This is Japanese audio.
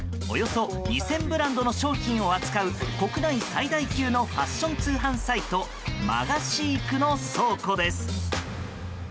およそ２０００ブランドの商品を扱う国内最大級のファッション通販サイトＭＡＧＡＳＥＥＫの倉庫です。